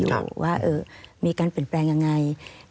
อยู่ว่ามีการเปลี่ยนแปลงยังไง